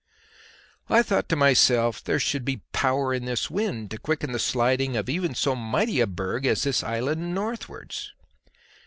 I thought to myself there should be power in this wind to quicken the sliding of even so mighty a berg as this island northwards.